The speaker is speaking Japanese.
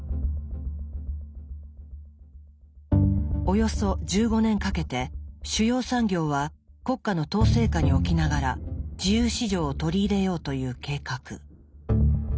およそ１５年かけて主要産業は国家の統制下に置きながら自由市場を取り入れようという計画。